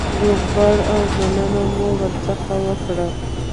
روغبړ او مننه مو ورڅخه وکړه.